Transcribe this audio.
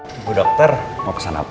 tunggu dokter mau kesana apa